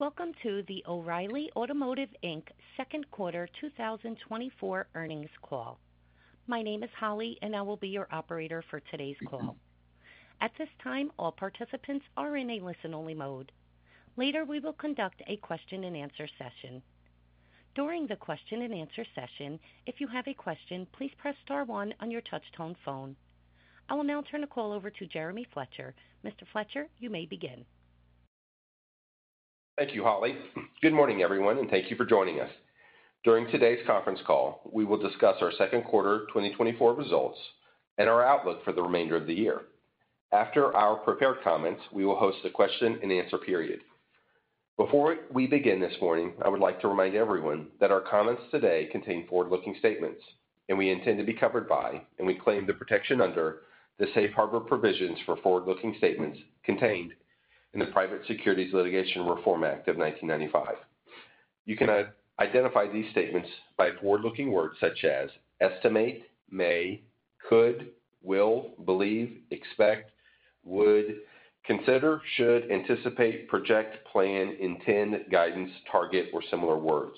Welcome to the O'Reilly Automotive, Inc. second quarter 2024 earnings call. My name is Holly, and I will be your operator for today's call. At this time, all participants are in a listen-only mode. Later, we will conduct a question-and-answer session. During the question-and-answer session, if you have a question, please press star one on your touchtone phone. I will now turn the call over to Jeremy Fletcher. Mr. Fletcher, you may begin. Thank you, Holly. Good morning, everyone, and thank you for joining us. During today's conference call, we will discuss our second quarter 2024 results and our outlook for the remainder of the year. After our prepared comments, we will host a question-and-answer period. Before we begin this morning, I would like to remind everyone that our comments today contain forward-looking statements, and we intend to be covered by, and we claim the protection under, the Safe Harbor Provisions for Forward-Looking Statements contained in the Private Securities Litigation Reform Act of 1995. You can identify these statements by forward-looking words such as estimate, may, could, will, believe, expect, would, consider, should, anticipate, project, plan, intend, guidance, target or similar words.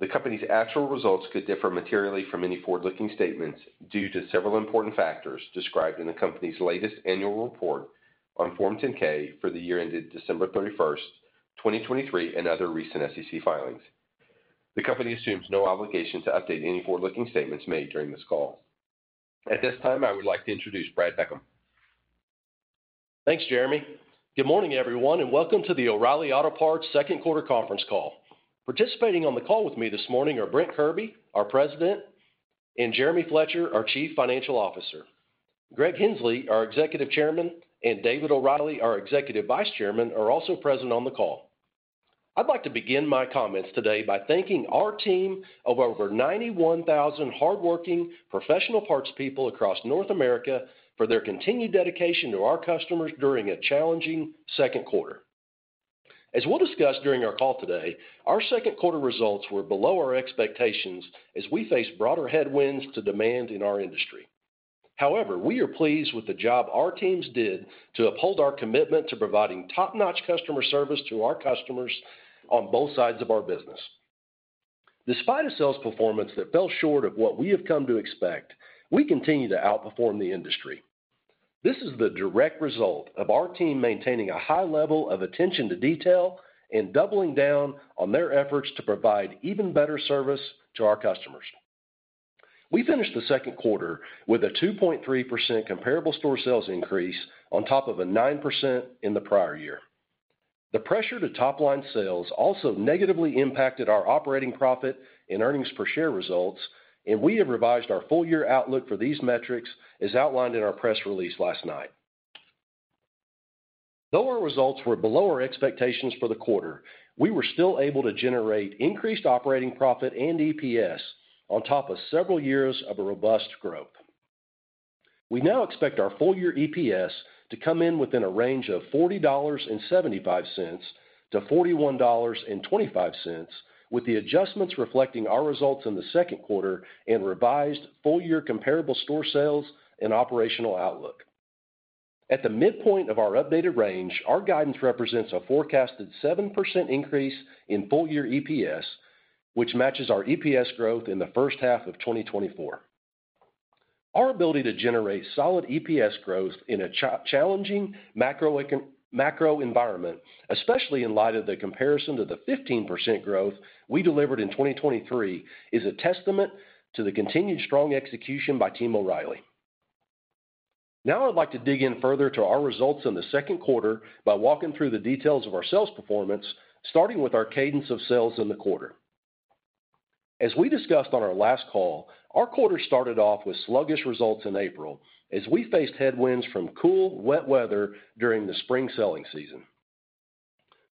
The company's actual results could differ materially from any forward-looking statements due to several important factors described in the company's latest annual report on Form 10-K for the year ended December 31, 2023, and other recent SEC filings. The company assumes no obligation to update any forward-looking statements made during this call. At this time, I would like to introduce Brad Beckham. Thanks, Jeremy. Good morning, everyone, and welcome to the O'Reilly Automotive second quarter conference call. Participating on the call with me this morning are Brent Kirby, our President, and Jeremy Fletcher, our Chief Financial Officer. Greg Hensley, our Executive Chairman, and David O'Reilly, our Executive Vice Chairman, are also present on the call. I'd like to begin my comments today by thanking our team of over 91,000 hardworking professional parts people across North America for their continued dedication to our customers during a challenging second quarter. As we'll discuss during our call today, our second quarter results were below our expectations as we face broader headwinds to demand in our industry. However, we are pleased with the job our teams did to uphold our commitment to providing top-notch customer service to our customers on both sides of our business. Despite a sales performance that fell short of what we have come to expect, we continue to outperform the industry. This is the direct result of our team maintaining a high level of attention to detail and doubling down on their efforts to provide even better service to our customers. We finished the second quarter with a 2.3% comparable store sales increase on top of a 9% in the prior year. The pressure to top-line sales also negatively impacted our operating profit and earnings per share results, and we have revised our full-year outlook for these metrics, as outlined in our press release last night. Though our results were below our expectations for the quarter, we were still able to generate increased operating profit and EPS on top of several years of a robust growth. We now expect our full-year EPS to come in within a range of $40.75-$41.25, with the adjustments reflecting our results in the second quarter and revised full-year comparable store sales and operational outlook. At the midpoint of our updated range, our guidance represents a forecasted 7% increase in full-year EPS, which matches our EPS growth in the first half of 2024. Our ability to generate solid EPS growth in a challenging macro environment, especially in light of the comparison to the 15% growth we delivered in 2023, is a testament to the continued strong execution by Team O'Reilly. Now, I'd like to dig in further to our results in the second quarter by walking through the details of our sales performance, starting with our cadence of sales in the quarter. As we discussed on our last call, our quarter started off with sluggish results in April as we faced headwinds from cool, wet weather during the spring selling season.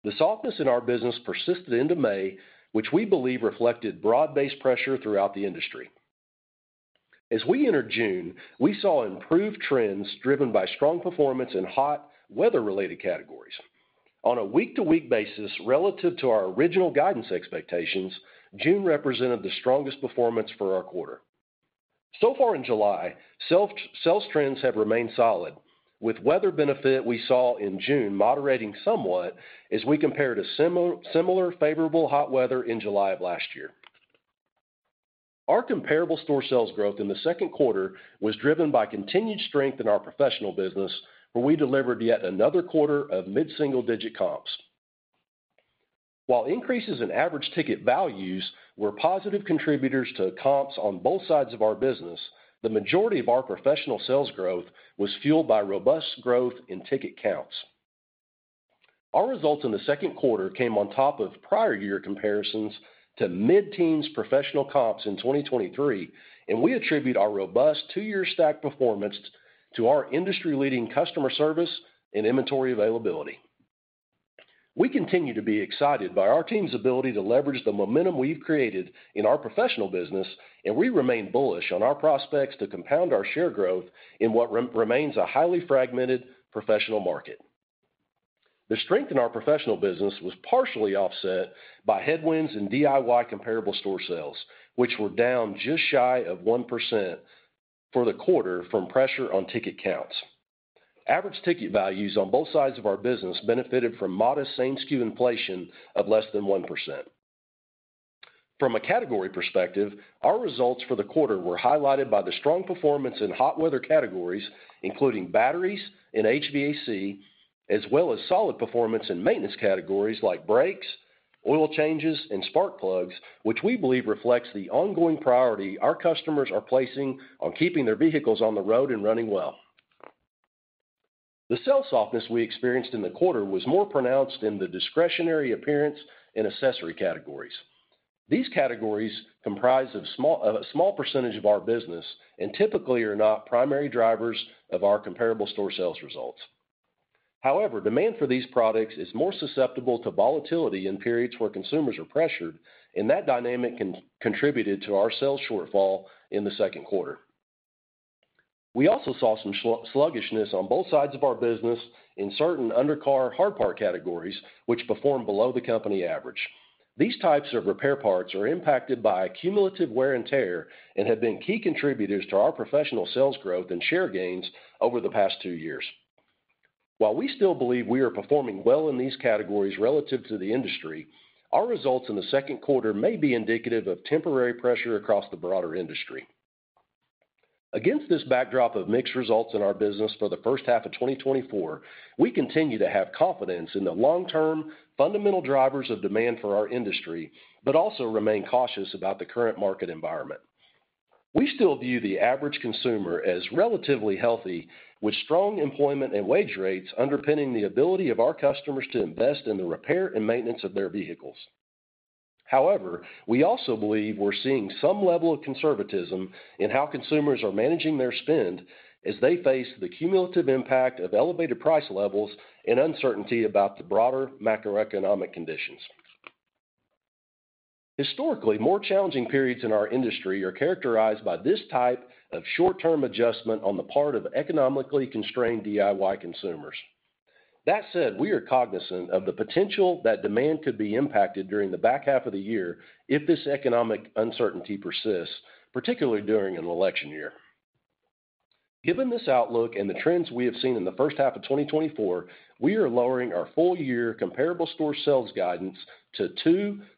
The softness in our business persisted into May, which we believe reflected broad-based pressure throughout the industry. As we entered June, we saw improved trends driven by strong performance in hot, weather-related categories. On a week-to-week basis, relative to our original guidance expectations, June represented the strongest performance for our quarter. So far in July, sales trends have remained solid, with weather benefit we saw in June moderating somewhat as we compare to similar favorable hot weather in July of last year. Our comparable store sales growth in the second quarter was driven by continued strength in our professional business, where we delivered yet another quarter of mid-single-digit comps. While increases in average ticket values were positive contributors to comps on both sides of our business, the majority of our professional sales growth was fueled by robust growth in ticket counts. Our results in the second quarter came on top of prior year comparisons to mid-teens professional comps in 2023, and we attribute our robust two-year stack performance to our industry-leading customer service and inventory availability. We continue to be excited by our team's ability to leverage the momentum we've created in our professional business, and we remain bullish on our prospects to compound our share growth in what remains a highly fragmented professional market. The strength in our professional business was partially offset by headwinds in DIY comparable store sales, which were down just shy of 1% for the quarter from pressure on ticket counts.... Average ticket values on both sides of our business benefited from modest same-SKU inflation of less than 1%. From a category perspective, our results for the quarter were highlighted by the strong performance in hot weather categories, including batteries and HVAC, as well as solid performance in maintenance categories like brakes, oil changes, and spark plugs, which we believe reflects the ongoing priority our customers are placing on keeping their vehicles on the road and running well. The sales softness we experienced in the quarter was more pronounced in the discretionary appearance and accessory categories. These categories comprise of a small percentage of our business and typically are not primary drivers of our comparable store sales results. However, demand for these products is more susceptible to volatility in periods where consumers are pressured, and that dynamic contributed to our sales shortfall in the second quarter. We also saw some sluggishness on both sides of our business in certain undercar hard part categories, which performed below the company average. These types of repair parts are impacted by cumulative wear and tear and have been key contributors to our professional sales growth and share gains over the past two years. While we still believe we are performing well in these categories relative to the industry, our results in the second quarter may be indicative of temporary pressure across the broader industry. Against this backdrop of mixed results in our business for the first half of 2024, we continue to have confidence in the long-term fundamental drivers of demand for our industry, but also remain cautious about the current market environment. We still view the average consumer as relatively healthy, with strong employment and wage rates underpinning the ability of our customers to invest in the repair and maintenance of their vehicles. However, we also believe we're seeing some level of conservatism in how consumers are managing their spend as they face the cumulative impact of elevated price levels and uncertainty about the broader macroeconomic conditions. Historically, more challenging periods in our industry are characterized by this type of short-term adjustment on the part of economically constrained DIY consumers. That said, we are cognizant of the potential that demand could be impacted during the back half of the year if this economic uncertainty persists, particularly during an election year. Given this outlook and the trends we have seen in the first half of 2024, we are lowering our full-year comparable store sales guidance to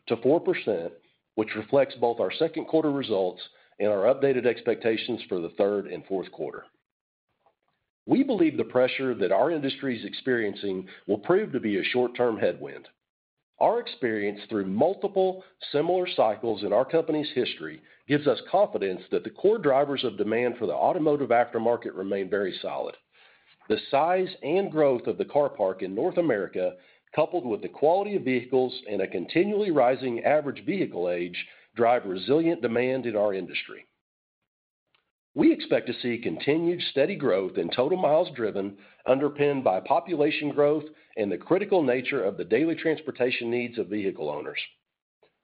2%-4%, which reflects both our second quarter results and our updated expectations for the third and fourth quarter. We believe the pressure that our industry is experiencing will prove to be a short-term headwind. Our experience through multiple similar cycles in our company's history gives us confidence that the core drivers of demand for the automotive aftermarket remain very solid. The size and growth of the car park in North America, coupled with the quality of vehicles and a continually rising average vehicle age, drive resilient demand in our industry. We expect to see continued steady growth in total miles driven, underpinned by population growth and the critical nature of the daily transportation needs of vehicle owners.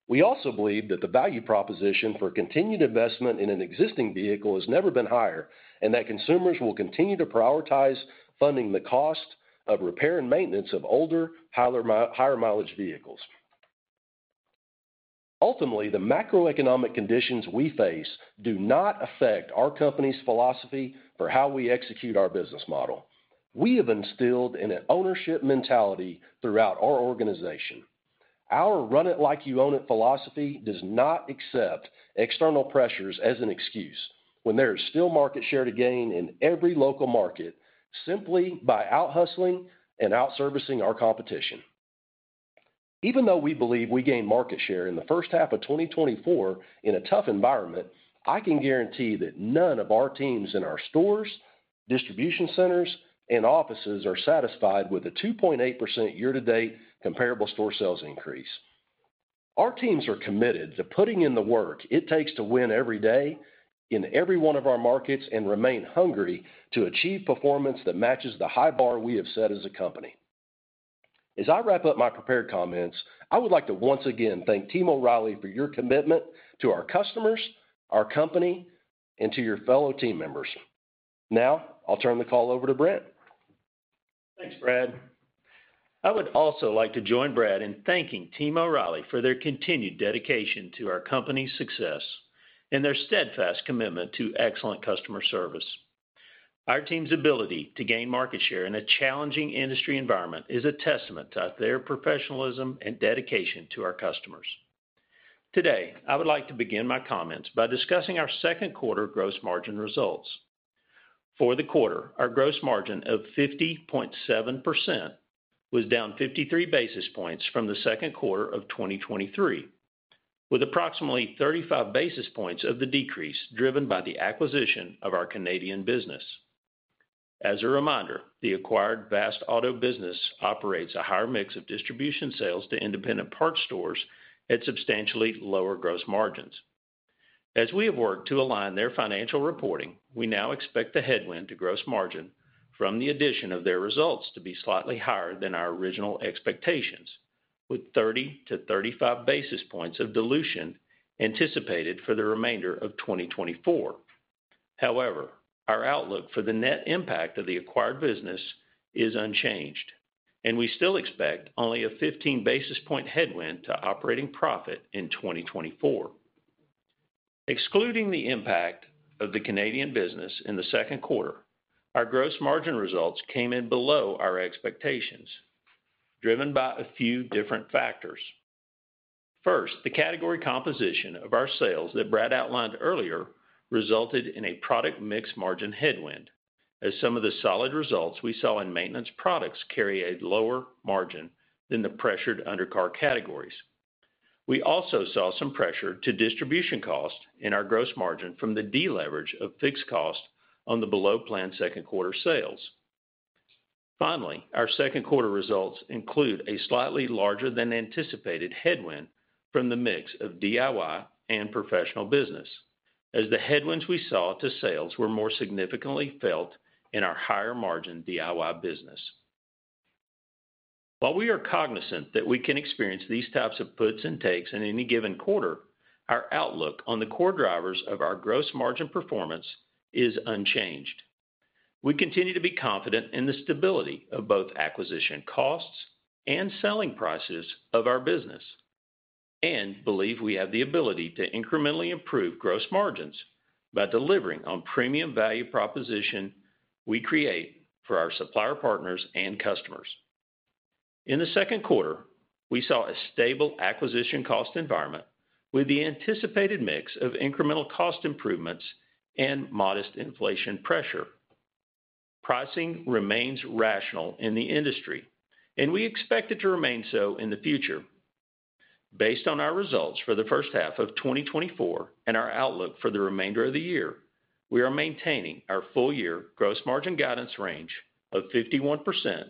We also believe that the value proposition for continued investment in an existing vehicle has never been higher, and that consumers will continue to prioritize funding the cost of repair and maintenance of older, higher mileage vehicles. Ultimately, the macroeconomic conditions we face do not affect our company's philosophy for how we execute our business model. We have instilled in an ownership mentality throughout our organization. Our run it like you own it philosophy does not accept external pressures as an excuse when there is still market share to gain in every local market simply by out-hustling and out-servicing our competition. Even though we believe we gained market share in the first half of 2024 in a tough environment, I can guarantee that none of our teams in our stores, distribution centers, and offices are satisfied with a 2.8% year-to-date comparable store sales increase. Our teams are committed to putting in the work it takes to win every day, in every one of our markets, and remain hungry to achieve performance that matches the high bar we have set as a company. As I wrap up my prepared comments, I would like to once again thank Team O'Reilly for your commitment to our customers, our company, and to your fellow team members. Now, I'll turn the call over to Brent. Thanks, Brad. I would also like to join Brad in thanking Team O'Reilly for their continued dedication to our company's success and their steadfast commitment to excellent customer service. Our team's ability to gain market share in a challenging industry environment is a testament to their professionalism and dedication to our customers. Today, I would like to begin my comments by discussing our second quarter gross margin results. For the quarter, our gross margin of 50.7% was down 53 basis points from the second quarter of 2023, with approximately 35 basis points of the decrease driven by the acquisition of our Canadian business. As a reminder, the acquired Vast-Auto business operates a higher mix of distribution sales to independent parts stores at substantially lower gross margins. As we have worked to align their financial reporting, we now expect the headwind to gross margin from the addition of their results to be slightly higher than our original expectations, with 30-35 basis points of dilution anticipated for the remainder of 2024. However, our outlook for the net impact of the acquired business is unchanged, and we still expect only a 15 basis point headwind to operating profit in 2024. Excluding the impact of the Canadian business in the second quarter, our gross margin results came in below our expectations, driven by a few different factors. First, the category composition of our sales that Brad outlined earlier, resulted in a product mix margin headwind, as some of the solid results we saw in maintenance products carry a lower margin than the pressured undercar categories. We also saw some pressure to distribution costs in our gross margin from the deleverage of fixed costs on the below-plan second quarter sales. Finally, our second quarter results include a slightly larger than anticipated headwind from the mix of DIY and professional business, as the headwinds we saw to sales were more significantly felt in our higher-margin DIY business. While we are cognizant that we can experience these types of puts and takes in any given quarter, our outlook on the core drivers of our gross margin performance is unchanged. We continue to be confident in the stability of both acquisition costs and selling prices of our business, and believe we have the ability to incrementally improve gross margins by delivering on premium value proposition we create for our supplier partners and customers. In the second quarter, we saw a stable acquisition cost environment with the anticipated mix of incremental cost improvements and modest inflation pressure. Pricing remains rational in the industry, and we expect it to remain so in the future. Based on our results for the first half of 2024 and our outlook for the remainder of the year, we are maintaining our full-year gross margin guidance range of 51%-51.5%.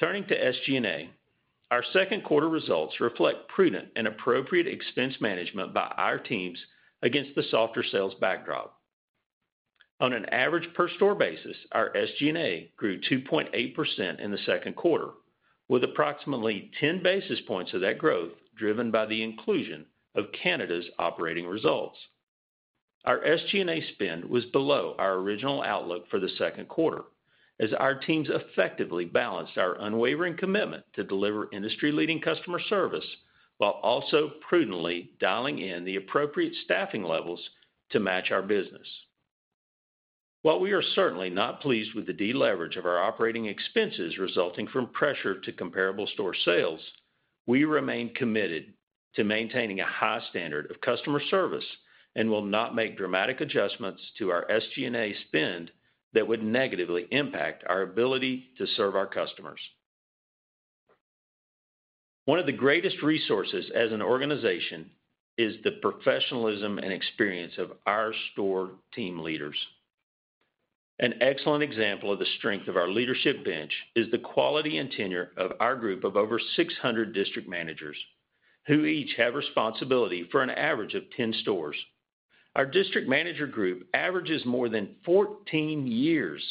Turning to SG&A, our second quarter results reflect prudent and appropriate expense management by our teams against the softer sales backdrop. On an average per store basis, our SG&A grew 2.8% in the second quarter, with approximately 10 basis points of that growth driven by the inclusion of Canada's operating results. Our SG&A spend was below our original outlook for the second quarter, as our teams effectively balanced our unwavering commitment to deliver industry-leading customer service, while also prudently dialing in the appropriate staffing levels to match our business. While we are certainly not pleased with the deleverage of our operating expenses resulting from pressure to comparable store sales, we remain committed to maintaining a high standard of customer service and will not make dramatic adjustments to our SG&A spend that would negatively impact our ability to serve our customers. One of the greatest resources as an organization is the professionalism and experience of our store team leaders. An excellent example of the strength of our leadership bench is the quality and tenure of our group of over 600 district managers, who each have responsibility for an average of 10 stores. Our district manager group averages more than 14 years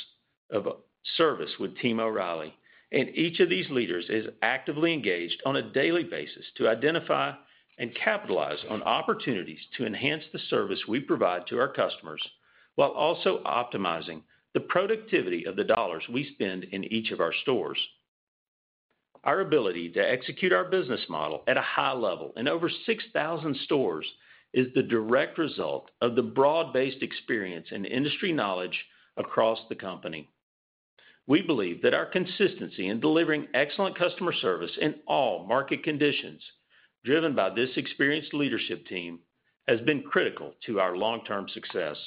of service with Team O'Reilly, and each of these leaders is actively engaged on a daily basis to identify and capitalize on opportunities to enhance the service we provide to our customers, while also optimizing the productivity of the dollars we spend in each of our stores. Our ability to execute our business model at a high level in over 6,000 stores is the direct result of the broad-based experience and industry knowledge across the company. We believe that our consistency in delivering excellent customer service in all market conditions, driven by this experienced leadership team, has been critical to our long-term success.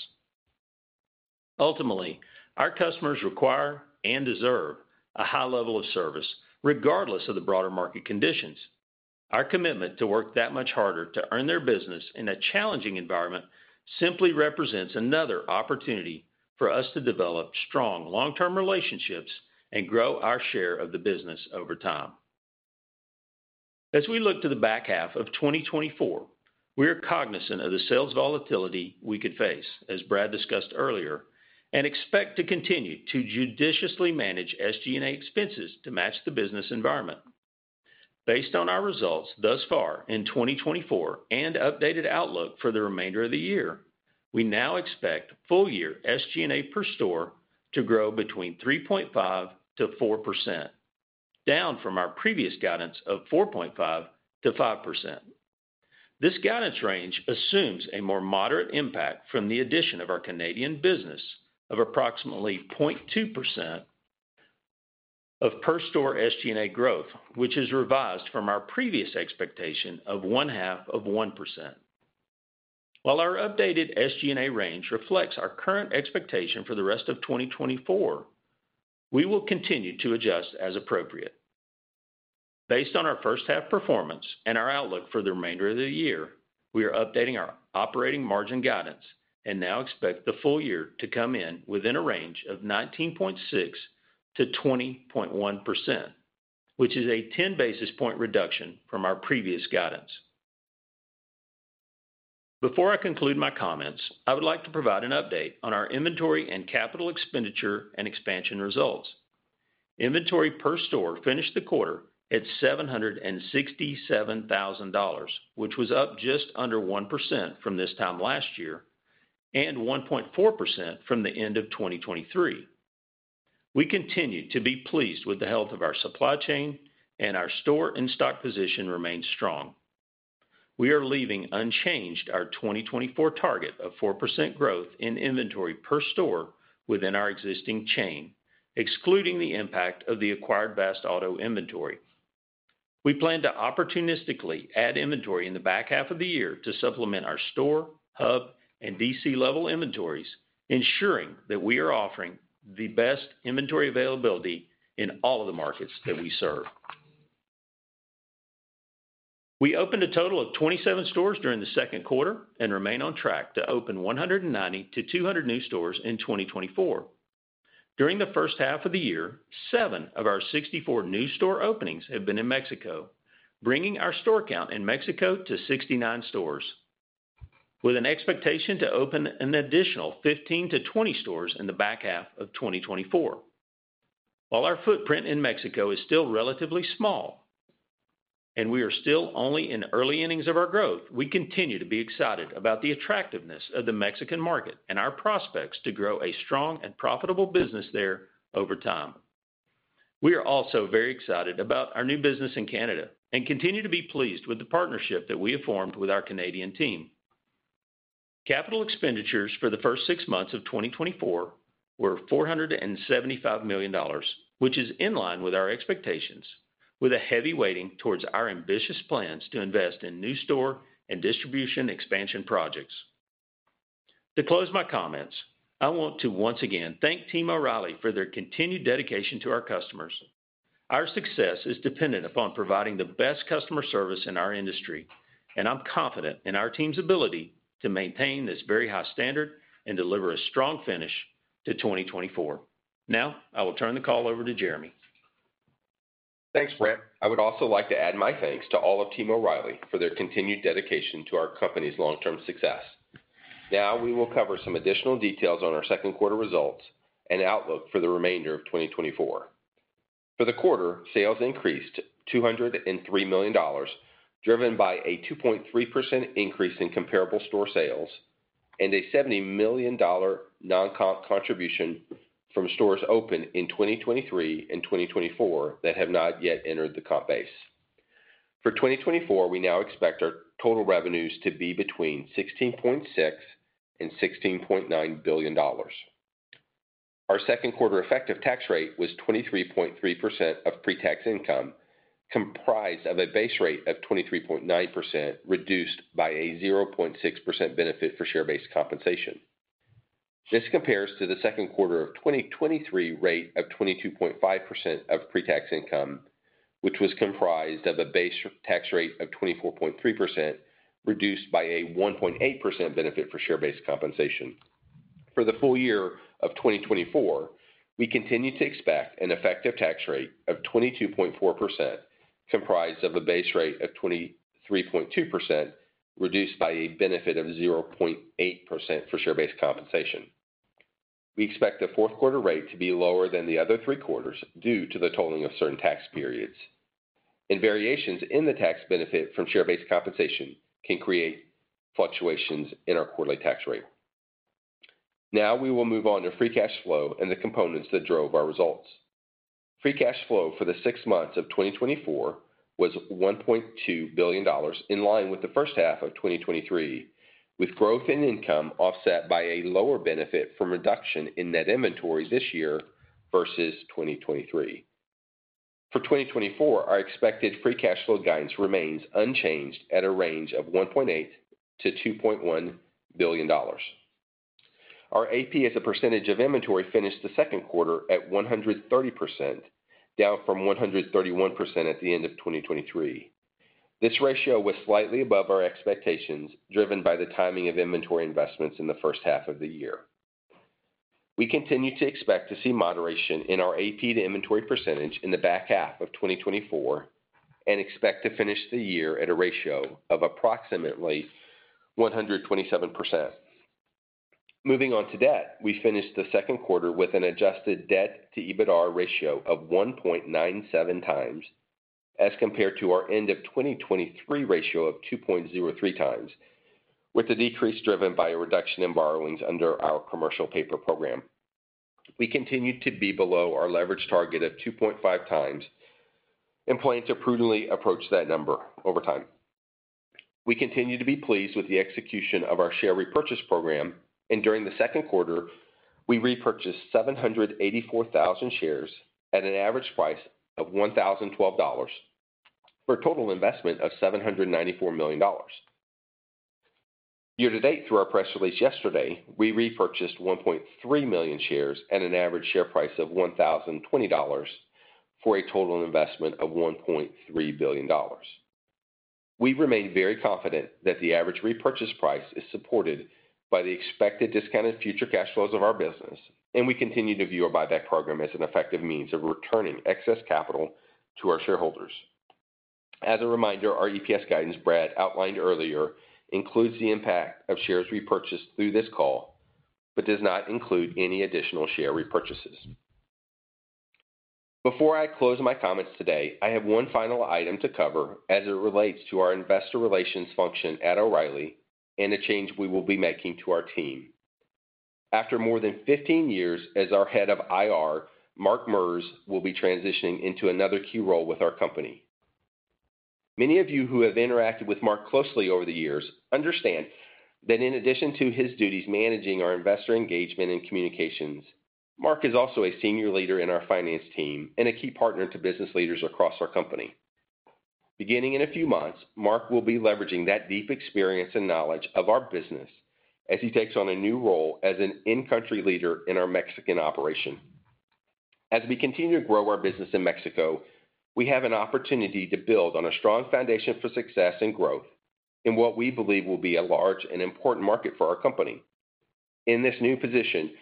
Ultimately, our customers require and deserve a high level of service, regardless of the broader market conditions. Our commitment to work that much harder to earn their business in a challenging environment simply represents another opportunity for us to develop strong long-term relationships and grow our share of the business over time. As we look to the back half of 2024, we are cognizant of the sales volatility we could face, as Brad discussed earlier, and expect to continue to judiciously manage SG&A expenses to match the business environment. Based on our results thus far in 2024 and updated outlook for the remainder of the year, we now expect full year SG&A per store to grow between 3.5%-4%, down from our previous guidance of 4.5%-5%. This guidance range assumes a more moderate impact from the addition of our Canadian business of approximately 0.2% of per store SG&A growth, which is revised from our previous expectation of 0.5%. While our updated SG&A range reflects our current expectation for the rest of 2024, we will continue to adjust as appropriate. Based on our first half performance and our outlook for the remainder of the year, we are updating our operating margin guidance and now expect the full year to come in within a range of 19.6%-20.1%, which is a 10 basis point reduction from our previous guidance. Before I conclude my comments, I would like to provide an update on our inventory and capital expenditure and expansion results. Inventory per store finished the quarter at $767,000, which was up just under 1% from this time last year, and 1.4% from the end of 2023. We continue to be pleased with the health of our supply chain, and our store and stock position remains strong. We are leaving unchanged our 2024 target of 4% growth in inventory per store within our existing chain, excluding the impact of the acquired Vast-Auto inventory. We plan to opportunistically add inventory in the back half of the year to supplement our store, hub, and DC-level inventories, ensuring that we are offering the best inventory availability in all of the markets that we serve. We opened a total of 27 stores during the second quarter and remain on track to open 190-200 new stores in 2024. During the first half of the year, 7 of our 64 new store openings have been in Mexico, bringing our store count in Mexico to 69 stores, with an expectation to open an additional 15-20 stores in the back half of 2024. While our footprint in Mexico is still relatively small, and we are still only in early innings of our growth, we continue to be excited about the attractiveness of the Mexican market and our prospects to grow a strong and profitable business there over time. We are also very excited about our new business in Canada and continue to be pleased with the partnership that we have formed with our Canadian team. Capital expenditures for the first six months of 2024 were $475 million, which is in line with our expectations, with a heavy weighting towards our ambitious plans to invest in new store and distribution expansion projects. To close my comments, I want to once again thank Team O'Reilly for their continued dedication to our customers. Our success is dependent upon providing the best customer service in our industry, and I'm confident in our team's ability to maintain this very high standard and deliver a strong finish to 2024. Now, I will turn the call over to Jeremy. Thanks, Brad. I would also like to add my thanks to all of Team O'Reilly for their continued dedication to our company's long-term success. Now, we will cover some additional details on our second quarter results and outlook for the remainder of 2024. For the quarter, sales increased $203 million, driven by a 2.3% increase in comparable store sales and a $70 million non-comp contribution from stores opened in 2023 and 2024 that have not yet entered the comp base. For 2024, we now expect our total revenues to be between $16.6 billion and $16.9 billion. Our second quarter effective tax rate was 23.3% of pre-tax income, comprised of a base rate of 23.9%, reduced by a 0.6% benefit for share-based compensation. This compares to the second quarter of 2023 rate of 22.5% of pre-tax income, which was comprised of a base tax rate of 24.3%, reduced by a 1.8% benefit for share-based compensation. For the full year of 2024, we continue to expect an effective tax rate of 22.4%, comprised of a base rate of 23.2%, reduced by a benefit of 0.8% for share-based compensation. We expect the fourth quarter rate to be lower than the other three quarters due to the totaling of certain tax periods, and variations in the tax benefit from share-based compensation can create fluctuations in our quarterly tax rate. Now we will move on to free cash flow and the components that drove our results. Free cash flow for the six months of 2024 was $1.2 billion, in line with the first half of 2023, with growth in income offset by a lower benefit from reduction in net inventory this year versus 2023. For 2024, our expected free cash flow guidance remains unchanged at a range of $1.8 billion-$2.1 billion. Our AP as a percentage of inventory finished the second quarter at 130%, down from 131% at the end of 2023. This ratio was slightly above our expectations, driven by the timing of inventory investments in the first half of the year. We continue to expect to see moderation in our AP to inventory percentage in the back half of 2024 and expect to finish the year at a ratio of approximately 127%. Moving on to debt. We finished the second quarter with an adjusted debt to EBITDA ratio of 1.97 times, as compared to our end of 2023 ratio of 2.03 times, with the decrease driven by a reduction in borrowings under our commercial paper program. We continue to be below our leverage target of 2.5 times and plan to prudently approach that number over time. We continue to be pleased with the execution of our share repurchase program, and during the second quarter, we repurchased 784,000 shares at an average price of $1,012, for a total investment of $794 million. Year to date, through our press release yesterday, we repurchased 1.3 million shares at an average share price of $1,020, for a total investment of $1.3 billion. We remain very confident that the average repurchase price is supported by the expected discounted future cash flows of our business, and we continue to view our buyback program as an effective means of returning excess capital to our shareholders. As a reminder, our EPS guidance Brad outlined earlier includes the impact of shares repurchased through this call, but does not include any additional share repurchases. Before I close my comments today, I have one final item to cover as it relates to our investor relations function at O'Reilly and a change we will be making to our team. After more than 15 years as our head of IR, Mark Merz will be transitioning into another key role with our company. Many of you who have interacted with Mark closely over the years understand that in addition to his duties managing our investor engagement and communications, Mark is also a senior leader in our finance team and a key partner to business leaders across our company. Beginning in a few months, Mark Merz will be leveraging that deep experience and knowledge of our business as he takes on a new role as an in-country leader in our Mexican operation. As we continue to grow our business in Mexico, we have an opportunity to build on a strong foundation for success and growth in what we believe will be a large and important market for our company. In this new position,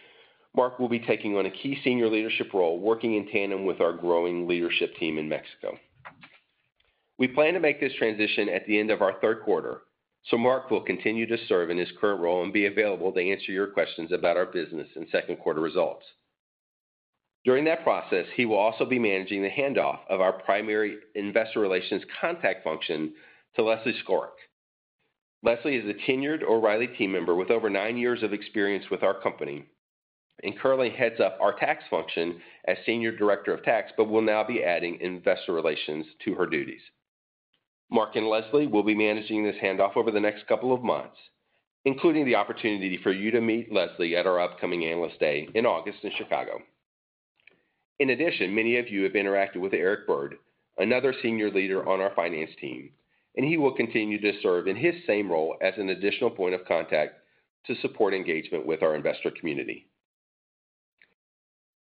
Mark Merz will be taking on a key senior leadership role, working in tandem with our growing leadership team in Mexico. We plan to make this transition at the end of our third quarter, so Mark Merz will continue to serve in his current role and be available to answer your questions about our business and second quarter results. During that process, he will also be managing the handoff of our primary investor relations contact function to Leslie Skoric. Leslie is a tenured O'Reilly team member with over nine years of experience with our company, and currently heads up our tax function as Senior Director of Tax, but will now be adding investor relations to her duties. Mark and Leslie will be managing this handoff over the next couple of months, including the opportunity for you to meet Leslie at our upcoming Analyst Day in August in Chicago. In addition, many of you have interacted with Eric Bird, another senior leader on our finance team, and he will continue to serve in his same role as an additional point of contact to support engagement with our investor community.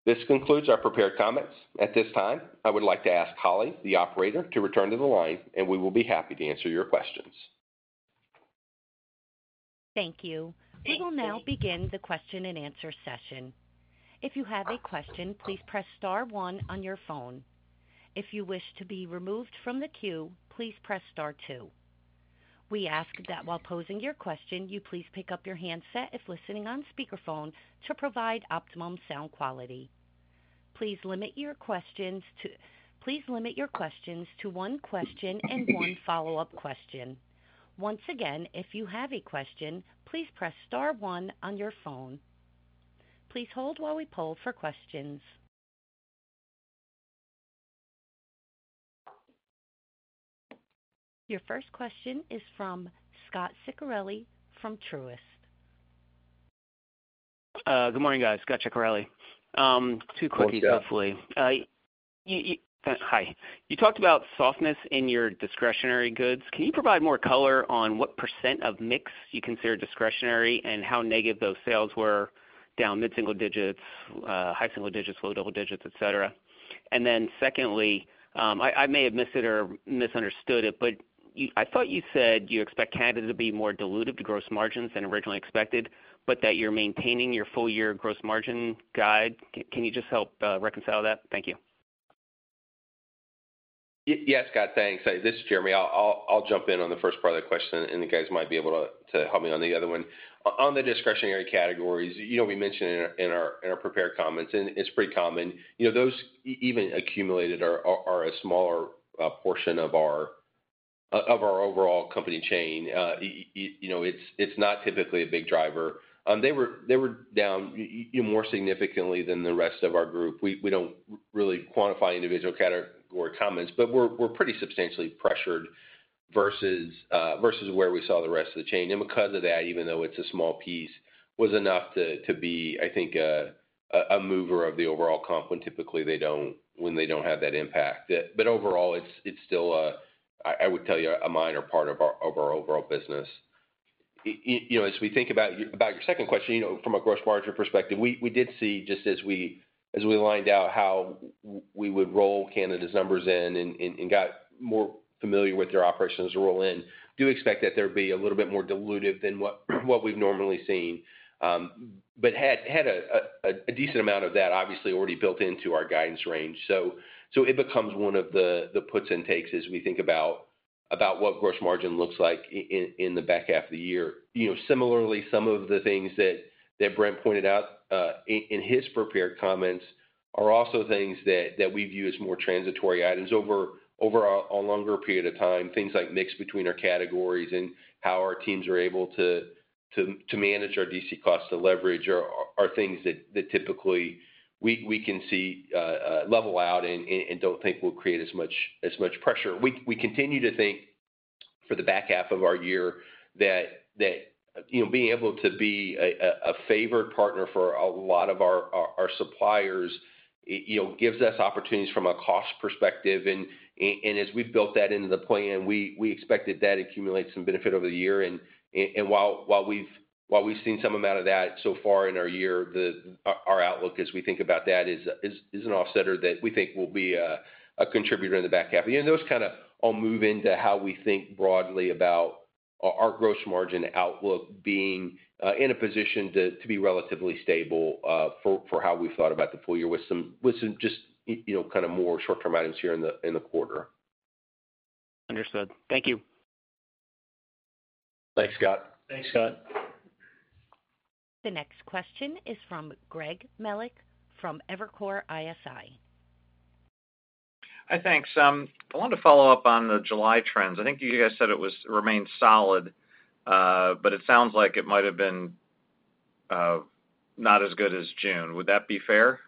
This concludes our prepared comments. At this time, I would like to ask Holly, the operator, to return to the line, and we will be happy to answer your questions. Thank you. We will now begin the question and answer session. If you have a question, please press star one on your phone. If you wish to be removed from the queue, please press star two. We ask that while posing your question, you please pick up your handset if listening on speakerphone, to provide optimum sound quality. Please limit your questions to one question and one follow-up question. Once again, if you have a question, please press star one on your phone. Please hold while we poll for questions. Your first question is from Scot Ciccarelli from Truist. Good morning, guys. Scot Ciccarelli. Two quickies, hopefully. Hello, Scot. Hi. You talked about softness in your discretionary goods. Can you provide more color on what percent of mix you consider discretionary and how negative those sales were down mid-single digits, high single digits, low double digits, et cetera? And then secondly, I may have missed it or misunderstood it, but you—I thought you said you expect Canada to be more dilutive to gross margins than originally expected, but that you're maintaining your full year gross margin guide. Can you just help reconcile that? Thank you. Yes, Scot. Thanks. This is Jeremy. I'll jump in on the first part of the question, and the guys might be able to help me on the other one. On the discretionary categories, you know, we mentioned in our prepared comments, and it's pretty common, you know, those even accumulated are a smaller portion of our overall company chain. You know, it's not typically a big driver. They were down more significantly than the rest of our group. We don't really quantify individual category comments, but we're pretty substantially pressured versus where we saw the rest of the chain. And because of that, even though it's a small piece, was enough to be, I think, a mover of the overall comp, when typically they don't have that impact. But overall, it's still a, I would tell you, a minor part of our overall business. You know, as we think about your second question, you know, from a gross margin perspective, we did see just as we lined out how we would roll Canada's numbers in and got more familiar with their operations to roll in, do expect that there'd be a little bit more dilutive than what we've normally seen. But had a decent amount of that obviously already built into our guidance range. It becomes one of the puts and takes as we think about what gross margin looks like in the back half of the year. You know, similarly, some of the things that Brent pointed out in his prepared comments are also things that we view as more transitory items over a longer period of time. Things like mix between our categories and how our teams are able to manage our DC costs to leverage are things that typically we can see level out and don't think will create as much pressure. We continue to think for the back half of our year that you know, being able to be a favored partner for a lot of our suppliers, you know, gives us opportunities from a cost perspective. And as we've built that into the plan, we expected that accumulate some benefit over the year. And while we've seen some amount of that so far in our year, our outlook as we think about that is an offsetter that we think will be a contributor in the back half. Those kind of all move into how we think broadly about our gross margin outlook being in a position to be relatively stable for how we thought about the full year with some just, you know, kind of more short-term items here in the quarter. Understood. Thank you.... Thanks, Scot. Thanks, Scot. The next question is from Greg Melich from Evercore ISI. Hi, thanks. I wanted to follow up on the July trends. I think you guys said it was remained solid, but it sounds like it might have been not as good as June. Would that be fair?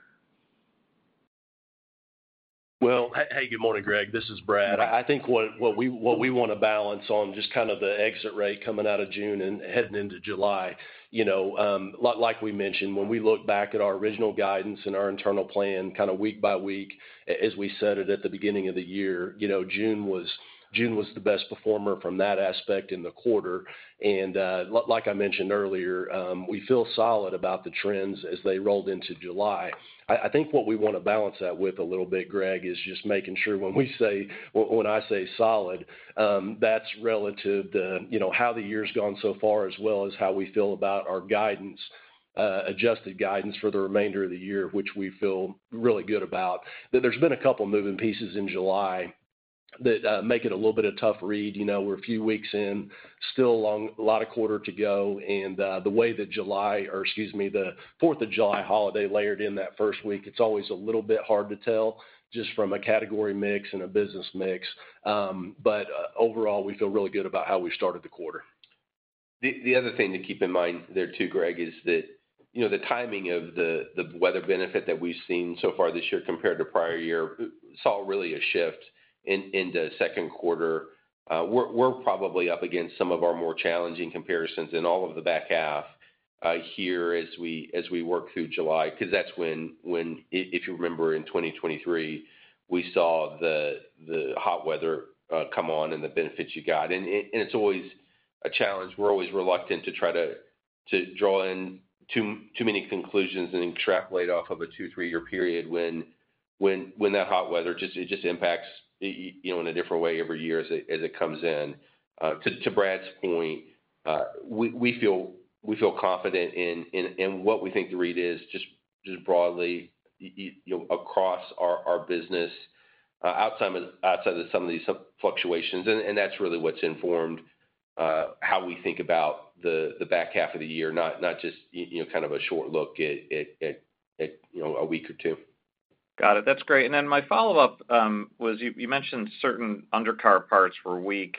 Well, hey, good morning, Greg. This is Brad. I think what we wanna balance on just kind of the exit rate coming out of June and heading into July, you know, like we mentioned, when we look back at our original guidance and our internal plan, kind of week by week, as we said it at the beginning of the year, you know, June was the best performer from that aspect in the quarter. And like I mentioned earlier, we feel solid about the trends as they rolled into July. I think what we wanna balance that with a little bit, Greg, is just making sure when we say, when I say solid, that's relative to, you know, how the year's gone so far, as well as how we feel about our guidance, adjusted guidance for the remainder of the year, which we feel really good about. But there's been a couple moving pieces in July that make it a little bit of tough read, you know. We're a few weeks in, still a lot of quarter to go, and the way that July, or excuse me, the Fourth of July holiday layered in that first week, it's always a little bit hard to tell just from a category mix and a business mix. But overall, we feel really good about how we started the quarter. The other thing to keep in mind there, too, Greg, is that, you know, the timing of the weather benefit that we've seen so far this year compared to prior year saw really a shift in the second quarter. We're probably up against some of our more challenging comparisons in all of the back half here as we work through July, because that's when, if you remember in 2023, we saw the hot weather come on and the benefits you got. And it's always a challenge. We're always reluctant to try to draw in too many conclusions and extrapolate off of a two, three-year period when that hot weather just impacts you know in a different way every year as it comes in. To Brad's point, we feel confident in what we think the read is just broadly, you know, across our business, outside of some of these fluctuations. And that's really what's informed how we think about the back half of the year, not just, you know, kind of a short look at a week or two. Got it. That's great. And then my follow-up was you, you mentioned certain undercar parts were weak,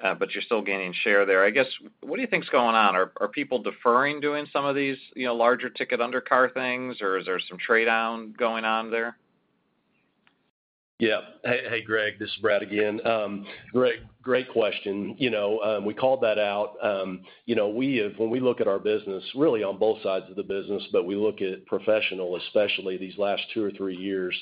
but you're still gaining share there. I guess, what do you think is going on? Are people deferring doing some of these, you know, larger ticket undercar things, or is there some trade down going on there? Yeah. Hey, hey, Greg, this is Brad again. Greg, great question. You know, we called that out. You know, we have—when we look at our business, really on both sides of the business, but we look at professional, especially these last two or three years,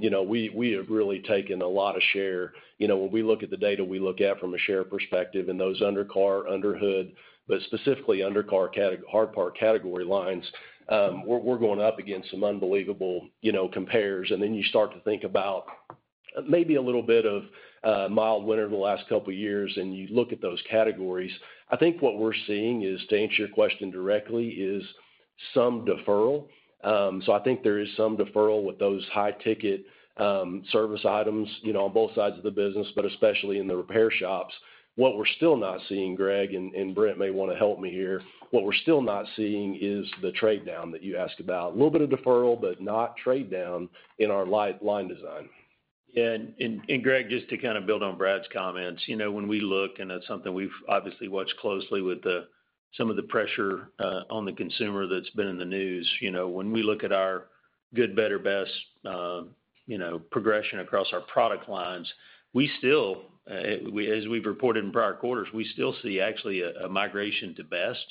you know, we, we have really taken a lot of share. You know, when we look at the data we look at from a share perspective and those undercar, underhood, but specifically undercar category hard part category lines, we're, we're going up against some unbelievable, you know, compares. And then you start to think about maybe a little bit of mild winter in the last couple of years, and you look at those categories. I think what we're seeing is, to answer your question directly, is some deferral. So I think there is some deferral with those high-ticket, service items, you know, on both sides of the business, but especially in the repair shops. What we're still not seeing, Greg, and Brent may wanna help me here. What we're still not seeing is the trade down that you asked about. A little bit of deferral, but not trade down in our line design. Greg, just to kind of build on Brad's comments, you know, when we look, and that's something we've obviously watched closely with some of the pressure on the consumer that's been in the news. You know, when we look at our good, better, best, you know, progression across our product lines, we still as we've reported in prior quarters, we still see actually a migration to best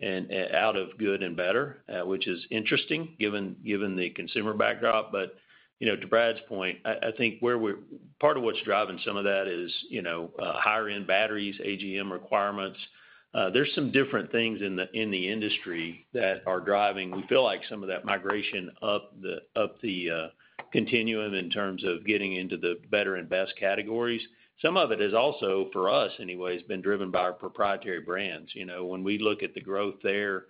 and out of good and better, which is interesting, given the consumer backdrop. But, you know, to Brad's point, I think where we're part of what's driving some of that is, you know, higher end batteries, AGM requirements. There's some different things in the industry that are driving. We feel like some of that migration up the continuum in terms of getting into the better and best categories. Some of it is also, for us anyways, been driven by our proprietary brands. You know, when we look at the growth there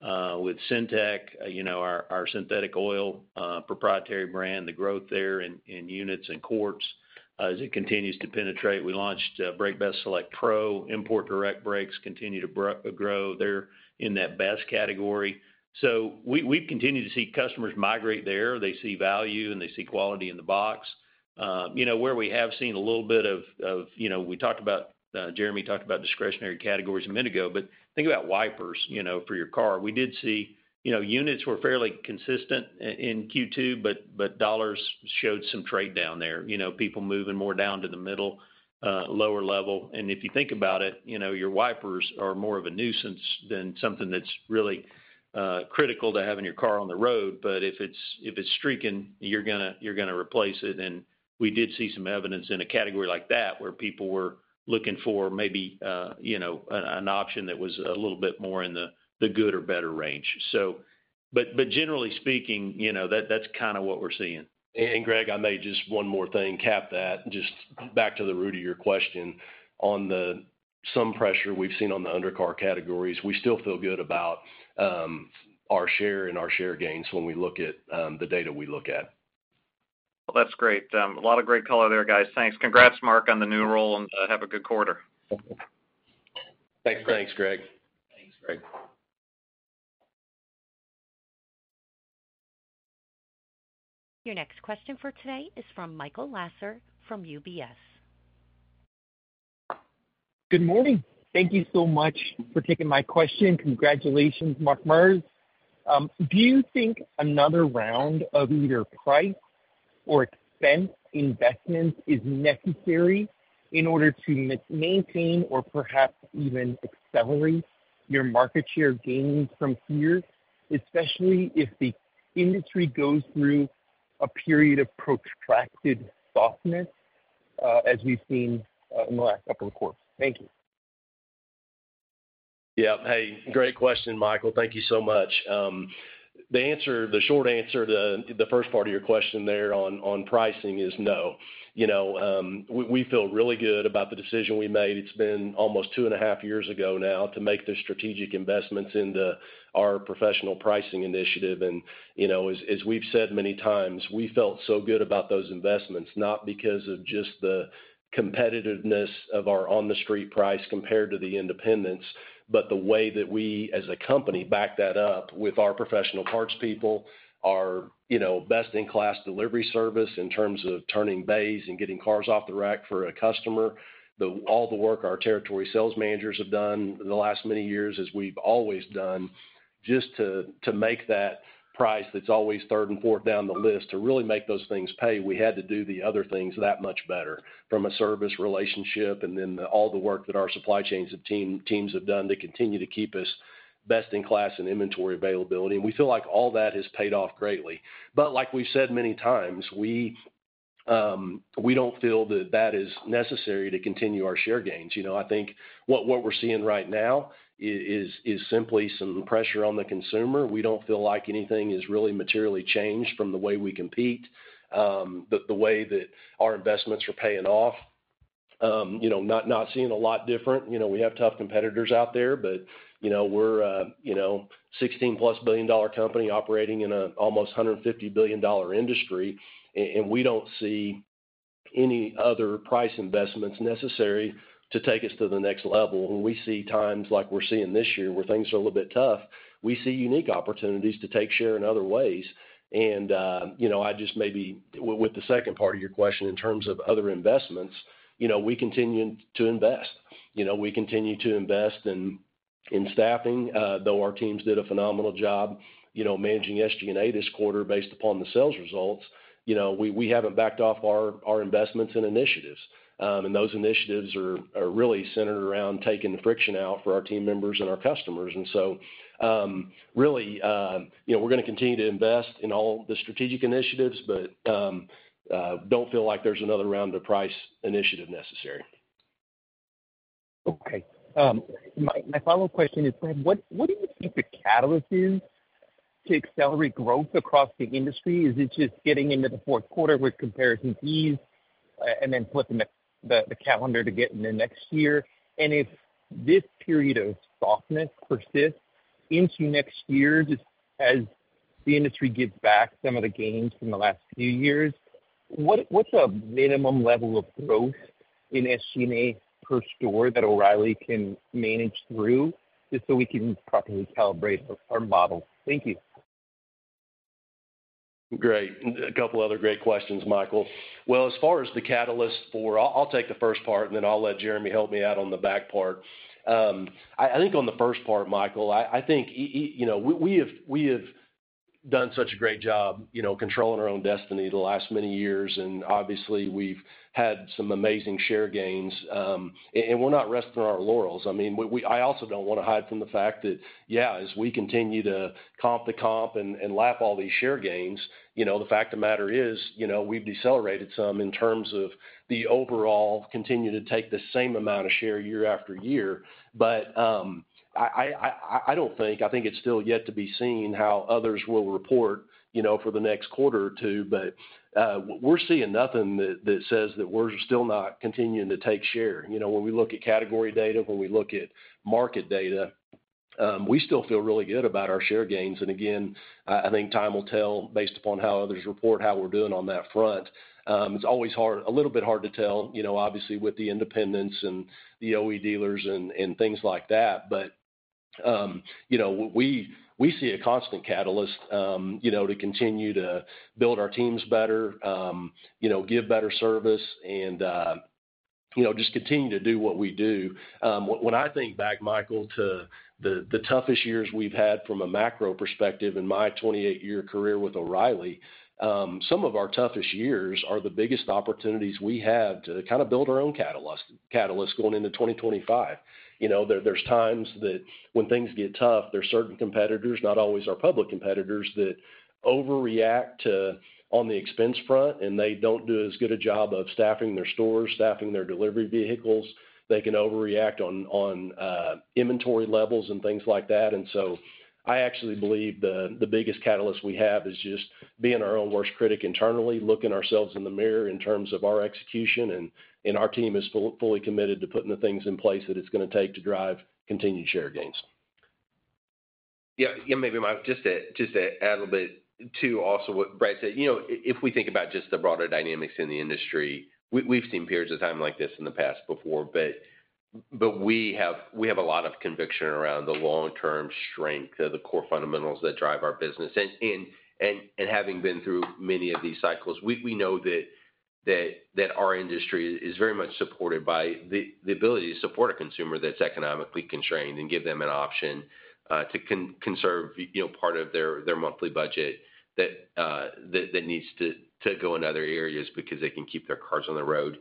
with Syntec, you know, our synthetic oil proprietary brand, the growth there in units and quarts as it continues to penetrate. We launched BrakeBest Select Pro, Import Direct brakes continue to grow. They're in that best category. So we continue to see customers migrate there. They see value, and they see quality in the box. You know, where we have seen a little bit of, you know, we talked about, Jeremy talked about discretionary categories a minute ago, but think about wipers, you know, for your car. We did see, you know, units were fairly consistent in Q2, but, but dollars showed some trade down there. You know, people moving more down to the middle, lower level. And if you think about it, you know, your wipers are more of a nuisance than something that's really, critical to having your car on the road. But if it's, if it's streaking, you're gonna, you're gonna replace it. And we did see some evidence in a category like that, where people were looking for maybe, you know, an, an option that was a little bit more in the, the good or better range. So, but, but generally speaking, you know, that's kind of what we're seeing. And Greg, I may just one more thing, cap that. Just back to the root of your question. On some pressure we've seen on the undercar categories, we still feel good about our share and our share gains when we look at the data we look at. ... Well, that's great. A lot of great color there, guys. Thanks. Congrats, Mark, on the new role, and have a good quarter. Thanks. Thanks, Greg. Thanks, Greg. Your next question for today is from Michael Lasser from UBS. Good morning. Thank you so much for taking my question. Congratulations, Mark Merz. Do you think another round of either price or expense investments is necessary in order to maintain or perhaps even accelerate your market share gains from here, especially if the industry goes through a period of protracted softness, as we've seen, in the last couple of quarters? Thank you. Yeah. Hey, great question, Michael. Thank you so much. The answer, the short answer to the first part of your question there on pricing is no. You know, we feel really good about the decision we made. It's been almost two and a half years ago now to make the strategic investments into our professional pricing initiative, and, you know, as we've said many times, we felt so good about those investments, not because of just the competitiveness of our on-the-street price compared to the independents, but the way that we, as a company, back that up with our professional parts people, our, you know, best-in-class delivery service in terms of turning bays and getting cars off the rack for a customer, all the work our territory sales managers have done in the last many years, as we've always done, just to make that price that's always third and fourth down the list, to really make those things pay, we had to do the other things that much better, from a service relationship, and then all the work that our supply chain teams have done to continue to keep us best in class in inventory availability. We feel like all that has paid off greatly. But like we've said many times, we don't feel that that is necessary to continue our share gains. You know, I think what we're seeing right now is simply some pressure on the consumer. We don't feel like anything has really materially changed from the way we compete, the way that our investments are paying off. You know, not seeing a lot different. You know, we have tough competitors out there, but you know, we're $16+ billion dollar company operating in an almost $150 billion dollar industry, and we don't see any other price investments necessary to take us to the next level. When we see times like we're seeing this year, where things are a little bit tough, we see unique opportunities to take share in other ways. And, you know, I just maybe, with the second part of your question in terms of other investments, you know, we continue to invest. You know, we continue to invest in, in staffing, though our teams did a phenomenal job, you know, managing SG&A this quarter based upon the sales results. You know, we, we haven't backed off our, our investments and initiatives. And those initiatives are, are really centered around taking the friction out for our team members and our customers. And so, really, you know, we're gonna continue to invest in all the strategic initiatives, but, don't feel like there's another round of price initiative necessary. Okay. My follow-up question is, what do you think the catalyst is to accelerate growth across the industry? Is it just getting into the fourth quarter with comparison ease, and then flipping the calendar to get in the next year? And if this period of softness persists into next year, just as the industry gives back some of the gains from the last few years, what's a minimum level of growth in SG&A per store that O'Reilly can manage through, just so we can properly calibrate our model? Thank you. Great. A couple other great questions, Michael. Well, as far as the catalyst for... I'll take the first part, and then I'll let Jeremy help me out on the back part. I think on the first part, Michael, I think, you know, we have done such a great job, you know, controlling our own destiny the last many years, and obviously, we've had some amazing share gains. And we're not resting on our laurels. I mean, we also don't wanna hide from the fact that, yeah, as we continue to comp the comp and lap all these share gains, you know, the fact of the matter is, you know, we've decelerated some in terms of the overall continue to take the same amount of share year after year. But, I don't think, I think it's still yet to be seen how others will report, you know, for the next quarter or two, but, we're seeing nothing that says that we're still not continuing to take share. You know, when we look at category data, when we look at market data, we still feel really good about our share gains. And again, I think time will tell based upon how others report, how we're doing on that front. It's always hard, a little bit hard to tell, you know, obviously with the independents and the OE dealers and things like that. But, you know, we see a constant catalyst, you know, to continue to build our teams better, you know, give better service and, you know, just continue to do what we do. When I think back, Michael, to the toughest years we've had from a macro perspective in my 28-year career with O'Reilly, some of our toughest years are the biggest opportunities we have to kind of build our own catalyst going into 2025. You know, there's times that when things get tough, there's certain competitors, not always our public competitors, that overreact to, on the expense front, and they don't do as good a job of staffing their stores, staffing their delivery vehicles. They can overreact on inventory levels and things like that. And so I actually believe the biggest catalyst we have is just being our own worst critic internally, looking ourselves in the mirror in terms of our execution, and our team is fully committed to putting the things in place that it's gonna take to drive continued share gains.... Yeah, yeah, maybe, Mike, just to, just to add a little bit to also what Brad said. You know, if we think about just the broader dynamics in the industry, we, we've seen periods of time like this in the past before, but, but we have, we have a lot of conviction around the long-term strength of the core fundamentals that drive our business. And having been through many of these cycles, we, we know that our industry is very much supported by the ability to support a consumer that's economically constrained and give them an option to conserve, you know, part of their monthly budget that needs to go in other areas because they can keep their cars on the road.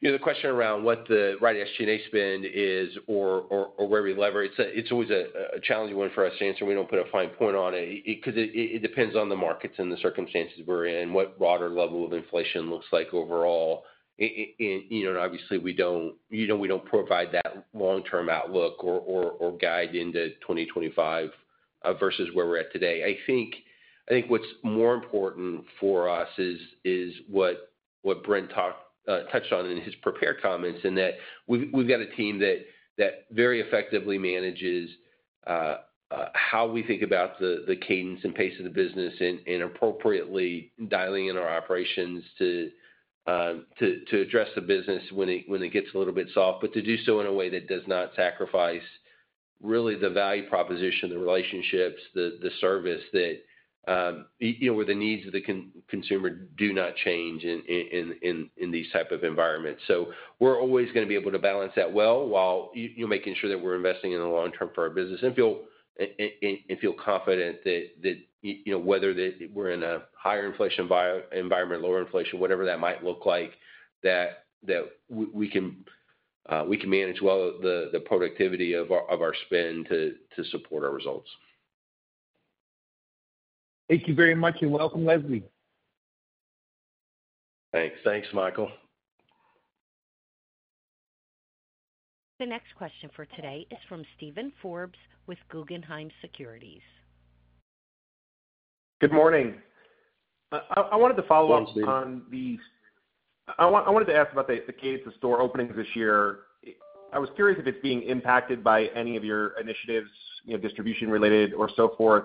You know, the question around what the right SG&A spend is or where we leverage, it's always a challenging one for us to answer. We don't put a fine point on it, 'cause it depends on the markets and the circumstances we're in, what broader level of inflation looks like overall. And, you know, obviously, we don't, you know, we don't provide that long-term outlook or guide into 2025 versus where we're at today. I think what's more important for us is what Brent touched on in his prepared comments, and that we've got a team that very effectively manages how we think about the cadence and pace of the business and appropriately dialing in our operations to address the business when it gets a little bit soft, but to do so in a way that does not sacrifice really the value proposition, the relationships, the service that, you know, where the needs of the consumer do not change in these type of environments. So we're always gonna be able to balance that well, while you know making sure that we're investing in the long term for our business and feel confident that you know whether that we're in a higher inflation environment, lower inflation, whatever that might look like, that we can manage well the productivity of our spend to support our results. Thank you very much, and welcome, Leslie. Thanks. Thanks, Michael. The next question for today is from Steven Forbes with Guggenheim Securities. Good morning. I wanted to follow up- Thanks, Steve. I want, I wanted to ask about the pace of store openings this year. I was curious if it's being impacted by any of your initiatives, you know, distribution-related or so forth.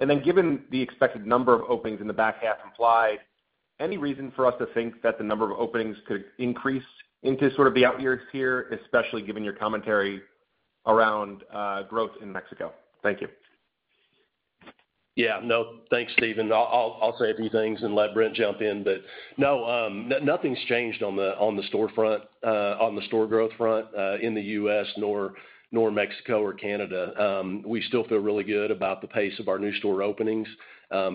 And then, given the expected number of openings in the back half implied, any reason for us to think that the number of openings could increase into sort of the out years here, especially given your commentary around growth in Mexico? Thank you. Yeah. No, thanks, Steven. I'll say a few things and let Brent jump in. But no, nothing's changed on the storefront, on the store growth front, in the US, nor Mexico or Canada. We still feel really good about the pace of our new store openings.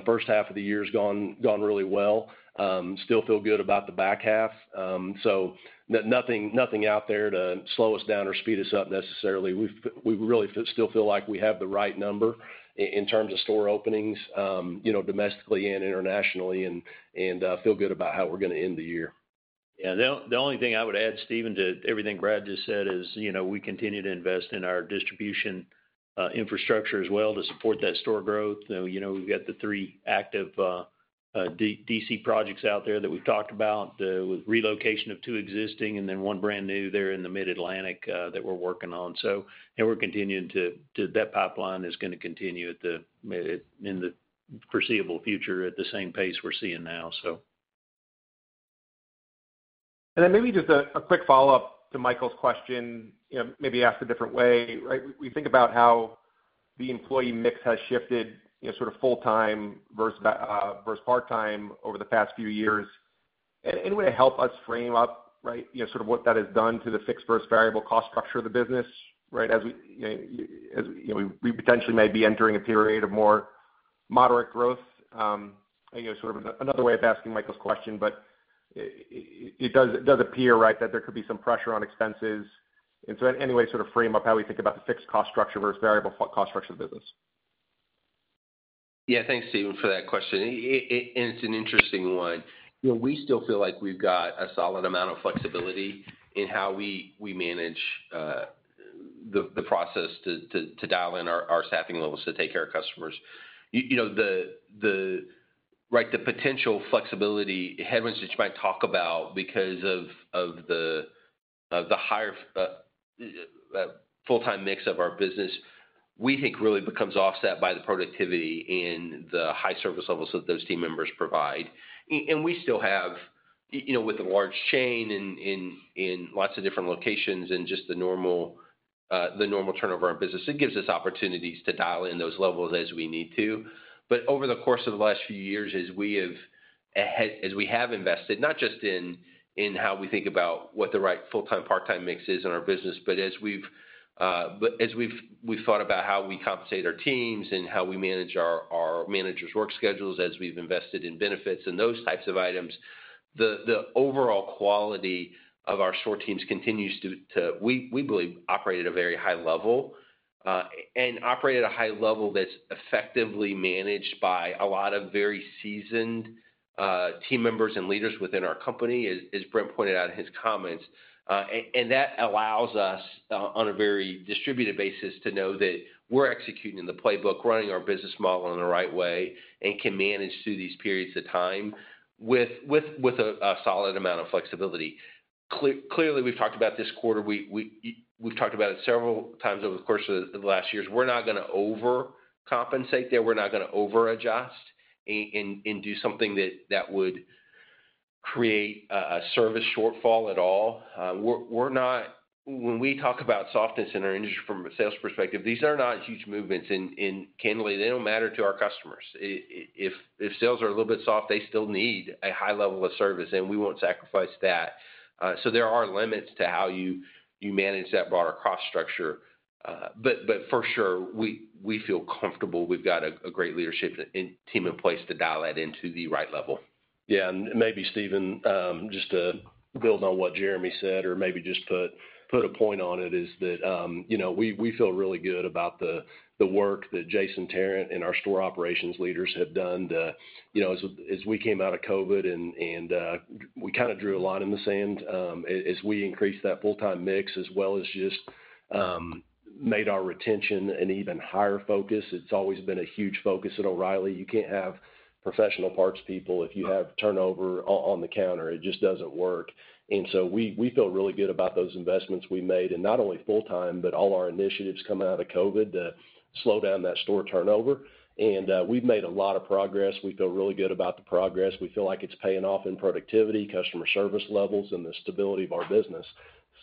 First half of the year has gone really well. Still feel good about the back half. So nothing out there to slow us down or speed us up necessarily. We really still feel like we have the right number in terms of store openings, you know, domestically and internationally, and feel good about how we're gonna end the year. Yeah, the only thing I would add, Steven, to everything Brad just said is, you know, we continue to invest in our distribution infrastructure as well to support that store growth. Though, you know, we've got the three active DC projects out there that we've talked about with relocation of two existing and then one brand new there in the Mid-Atlantic that we're working on. So, and we're continuing to that pipeline is gonna continue at the in the foreseeable future at the same pace we're seeing now, so. And then maybe just a quick follow-up to Michael's question, you know, maybe asked a different way, right? We think about how the employee mix has shifted, you know, sort of full-time versus part-time over the past few years. Any way to help us frame up, right, you know, sort of what that has done to the fixed versus variable cost structure of the business, right? As we you know potentially may be entering a period of more moderate growth. I guess sort of another way of asking Michael's question, but it does appear, right, that there could be some pressure on expenses. And so any way to sort of frame up how we think about the fixed cost structure versus variable cost structure of the business? Yeah. Thanks, Steven, for that question. It's an interesting one. You know, we still feel like we've got a solid amount of flexibility in how we manage the process to dial in our staffing levels to take care of customers. You know, the potential flexibility headwinds, which you might talk about because of the higher full-time mix of our business, we think really becomes offset by the productivity and the high service levels that those team members provide. We still have, you know, with a large chain in lots of different locations and just the normal turnover in business, it gives us opportunities to dial in those levels as we need to. But over the course of the last few years, as we have invested, not just in how we think about what the right full-time, part-time mix is in our business, but as we've thought about how we compensate our teams and how we manage our managers' work schedules, as we've invested in benefits and those types of items, the overall quality of our store teams continues to, we believe, operate at a very high level and operate at a high level that's effectively managed by a lot of very seasoned team members and leaders within our company, as Brent pointed out in his comments. And that allows us, on a very distributed basis, to know that we're executing the playbook, running our business model in the right way, and can manage through these periods of time with a solid amount of flexibility. Clearly, we've talked about this quarter. We've talked about it several times over the course of the last years. We're not gonna overcompensate there. We're not gonna over-adjust and do something that would create a service shortfall at all. We're not. When we talk about softness in our industry from a sales perspective, these are not huge movements. And candidly, they don't matter to our customers. If sales are a little bit soft, they still need a high level of service, and we won't sacrifice that. So there are limits to how you manage that broader cost structure. But for sure, we feel comfortable. We've got a great leadership and team in place to dial that into the right level. Yeah, and maybe, Steven, just to build on what Jeremy said, or maybe just put a point on it, is that, you know, we feel really good about the work that Jason Tarrant and our store operations leaders have done to, you know, as we came out of COVID, and we kind of drew a line in the sand, as we increased that full-time mix, as well as just made our retention an even higher focus. It's always been a huge focus at O'Reilly. You can't have professional parts people if you have turnover on the counter. It just doesn't work. And so we feel really good about those investments we made, and not only full-time, but all our initiatives coming out of COVID to slow down that store turnover. We've made a lot of progress. We feel really good about the progress. We feel like it's paying off in productivity, customer service levels, and the stability of our business.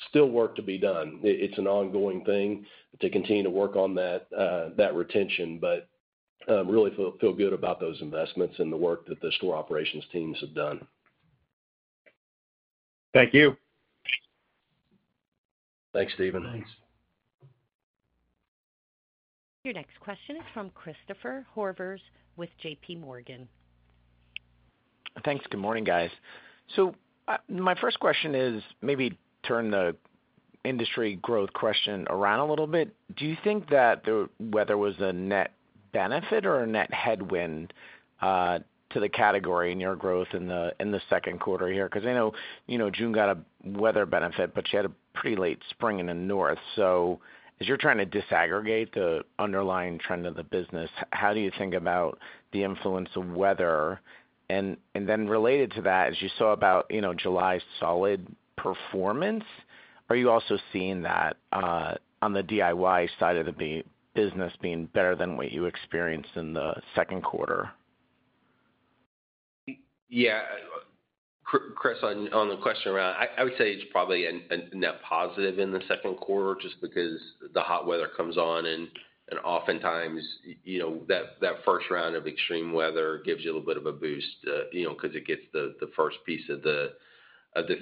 Still work to be done. It's an ongoing thing to continue to work on that retention, but really feel good about those investments and the work that the store operations teams have done. Thank you. Thanks, Steven. Thanks. Your next question is from Christopher Horvers with JPMorgan. Thanks. Good morning, guys. So, my first question is maybe turn the industry growth question around a little bit. Do you think that the weather was a net benefit or a net headwind to the category in your growth in the second quarter here? Because I know, you know, June got a weather benefit, but she had a pretty late spring in the North. So as you're trying to disaggregate the underlying trend of the business, how do you think about the influence of weather? And then related to that, as you saw about, you know, July's solid performance, are you also seeing that on the DIY side of the business being better than what you experienced in the second quarter? Yeah. Chris, on the question around... I would say it's probably a net positive in the second quarter, just because the hot weather comes on, and oftentimes, you know, that first round of extreme weather gives you a little bit of a boost, you know, 'cause it gets the first piece of the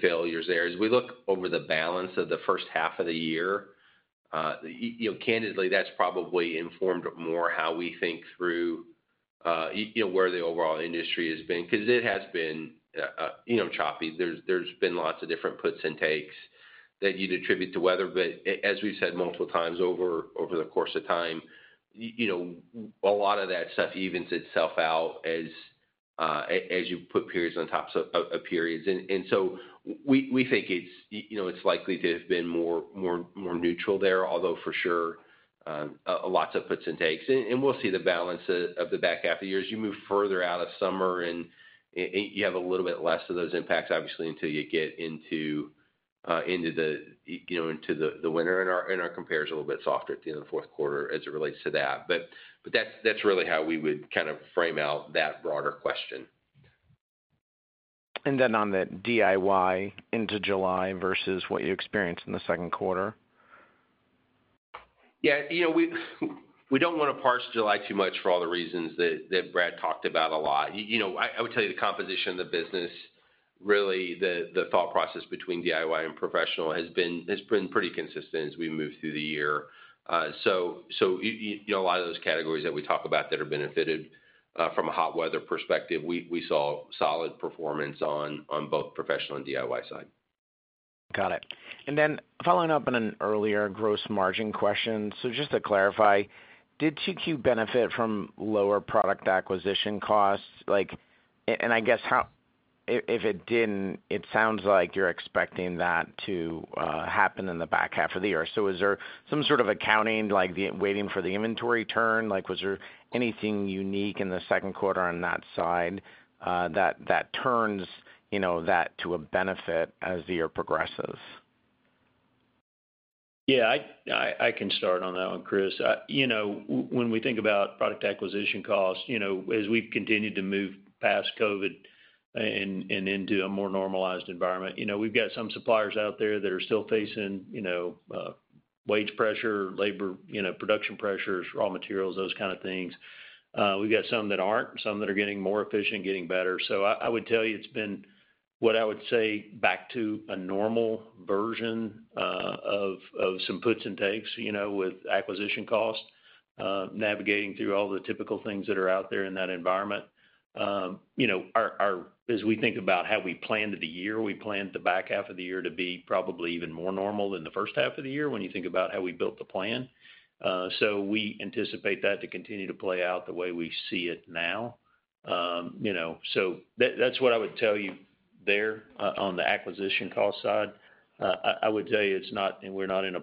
failures there. As we look over the balance of the first half of the year, you know, candidly, that's probably informed more how we think through, you know, where the overall industry has been, 'cause it has been, you know, choppy. There's been lots of different puts and takes that you'd attribute to weather. But as we've said multiple times over the course of time, you know, a lot of that stuff evens itself out as you put periods on top of periods. And so we think it's you know, it's likely to have been more neutral there, although, for sure, lots of puts and takes. And we'll see the balance of the back half of the year. As you move further out of summer and you have a little bit less of those impacts, obviously, until you get into into the you know, into the winter, and our compare is a little bit softer at the end of the fourth quarter as it relates to that. But that's really how we would kind of frame out that broader question. On the DIY into July versus what you experienced in the second quarter? Yeah, you know, we don't want to parse July too much for all the reasons that Brad talked about a lot. You know, I would tell you, the composition of the business, really, the thought process between DIY and professional has been pretty consistent as we move through the year. So you know, a lot of those categories that we talk about that have benefited from a hot weather perspective, we saw solid performance on both professional and DIY side. Got it. And then following up on an earlier gross margin question, so just to clarify, did Q2 benefit from lower product acquisition costs? Like, and I guess, how if it didn't, it sounds like you're expecting that to happen in the back half of the year. So is there some sort of accounting, like the waiting for the inventory turn? Like, was there anything unique in the second quarter on that side, that turns, you know, that to a benefit as the year progresses? Yeah, I can start on that one, Chris. You know, when we think about product acquisition costs, you know, as we've continued to move past COVID and into a more normalized environment, you know, we've got some suppliers out there that are still facing, you know, wage pressure, labor, you know, production pressures, raw materials, those kind of things. We've got some that aren't, some that are getting more efficient, getting better. So I would tell you, it's been what I would say, back to a normal version of some puts and takes, you know, with acquisition costs, navigating through all the typical things that are out there in that environment. You know, as we think about how we planned the year, we planned the back half of the year to be probably even more normal than the first half of the year, when you think about how we built the plan. So we anticipate that to continue to play out the way we see it now. You know, so that, that's what I would tell you there on the acquisition cost side. I would tell you, it's not... And we're not in a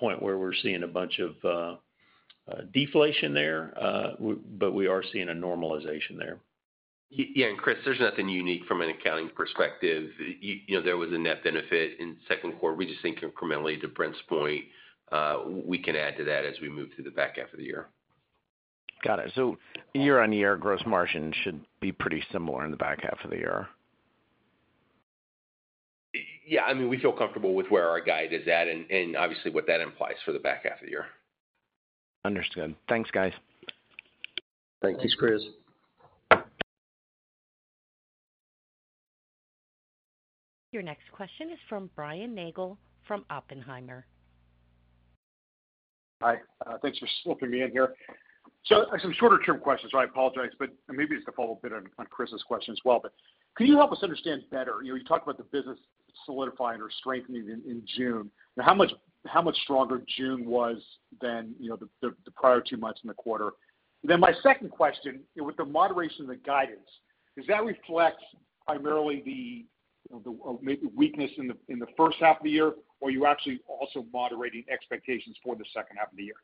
point where we're seeing a bunch of deflation there, but we are seeing a normalization there. ... Yeah, and Chris, there's nothing unique from an accounting perspective. You know, there was a net benefit in second quarter. We just think incrementally to Brent's point, we can add to that as we move to the back half of the year. Got it. So year-over-year gross margin should be pretty similar in the back half of the year? Yeah, I mean, we feel comfortable with where our guide is at and, and obviously, what that implies for the back half of the year. Understood. Thanks, guys. Thanks, Chris. Your next question is from Brian Nagel from Oppenheimer. Hi, thanks for slipping me in here. So some shorter-term questions, so I apologize, but maybe it's to follow up a bit on Chris's question as well. But can you help us understand better, you know, you talked about the business solidifying or strengthening in June, and how much stronger June was than, you know, the prior two months in the quarter? Then my second question, with the moderation of the guidance, does that reflect primarily the maybe weakness in the first half of the year, or are you actually also moderating expectations for the second half of the year?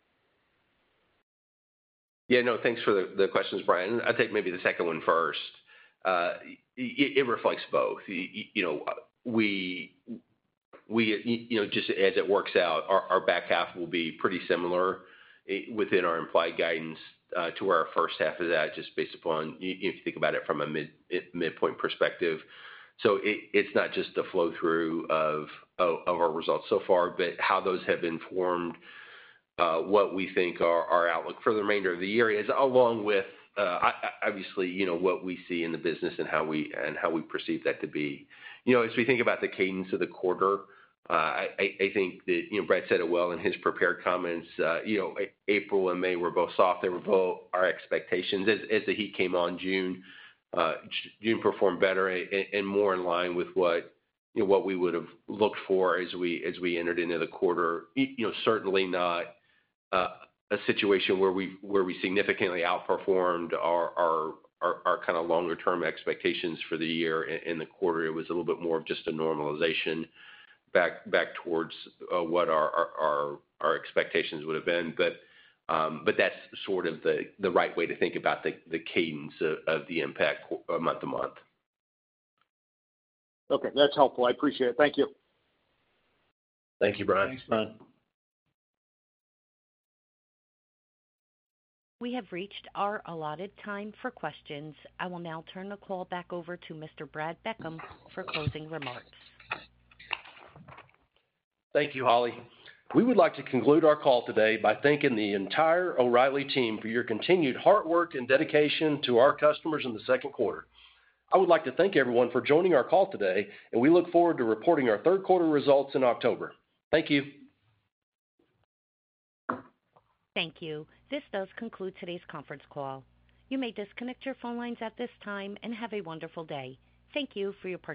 Yeah, no, thanks for the questions, Brian. I'll take maybe the second one first. It reflects both. You know, we, you know, just as it works out, our back half will be pretty similar, within our implied guidance, to our first half of that, just based upon, if you think about it from a midpoint perspective. So it, it's not just the flow-through of our results so far, but how those have informed, what we think are our outlook for the remainder of the year is along with, obviously, you know, what we see in the business and how we, and how we perceive that to be. You know, as we think about the cadence of the quarter, I think that, you know, Brad said it well in his prepared comments, you know, April and May were both soft. They were below our expectations. As the heat came on in June, June performed better and more in line with what, you know, what we would've looked for as we entered into the quarter. You know, certainly not a situation where we significantly outperformed our kind of longer term expectations for the year in the quarter. It was a little bit more of just a normalization back towards what our expectations would have been. But that's sort of the right way to think about the cadence of the impact month to month. Okay, that's helpful. I appreciate it. Thank you. Thank you, Brian. Thanks, Brian. We have reached our allotted time for questions. I will now turn the call back over to Mr. Brad Beckham for closing remarks. Thank you, Holly. We would like to conclude our call today by thanking the entire O'Reilly team for your continued hard work and dedication to our customers in the second quarter. I would like to thank everyone for joining our call today, and we look forward to reporting our third quarter results in October. Thank you. Thank you. This does conclude today's conference call. You may disconnect your phone lines at this time, and have a wonderful day. Thank you for your participation.